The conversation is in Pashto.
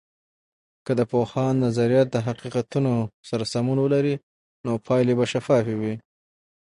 که د پوهاند نظریات د حقیقتونو سره سمون ولري، نو پایلې به شفافې وي.